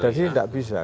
jadi tidak bisa